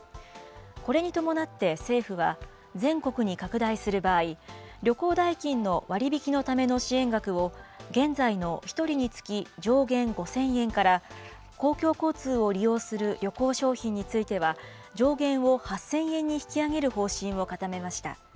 これに伴って政府は、全国に拡大する場合、旅行代金の割引のための支援額を、現在の１人につき上限５０００円から、公共交通を利用する旅行商品については、上限を８０００円に引き上げる方針を固めました。